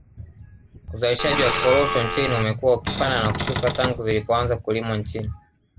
Uzalishaji wa korosho nchini umekuwa ukipanda na kushuka tangu zilipoanza kulimwa nchini